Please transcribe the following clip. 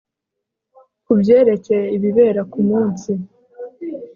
kubyerekeye ibibera kumunsi